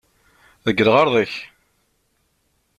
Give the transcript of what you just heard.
Deg lɣeṛḍ-ik!